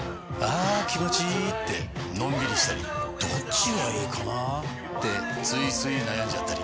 あ気持ちいいってのんびりしたりどっちがいいかなってついつい悩んじゃったり。